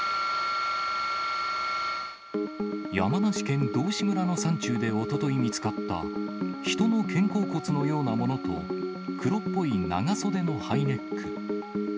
山梨県道志村の山中でおととい見つかった、人の肩甲骨のようなものと、黒っぽい長袖のハイネック。